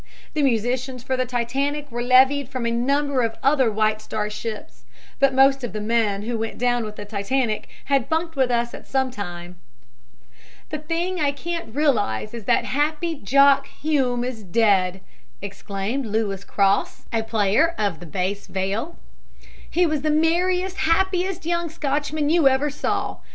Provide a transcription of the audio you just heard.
The musicians for the Titanic were levied from a number of other White Star ships, but most of the men who went down with the Titanic had bunked with us at some time." "The thing I can't realize is that happy 'Jock' Hume is dead," exclaimed Louis Cross, a player of the bass viol. "He was the merriest, happiest young Scotchman you ever saw.